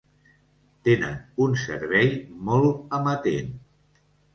Tenen un servei molt amatent.